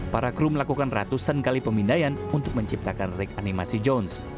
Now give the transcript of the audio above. para kru melakukan ratusan kali pemindaian untuk menciptakan rek animasi jones